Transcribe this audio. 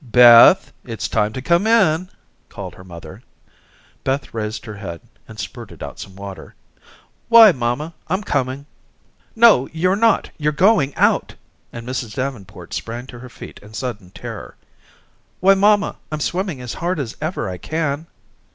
"Beth, it's time to come in," called her mother. Beth raised her head and spurted out some water. "Why, mamma, I'm coming." "No, you're not. You're going out," and Mrs. Davenport sprang to her feet in sudden terror. "Why, mamma, I'm swimming as hard as ever I can."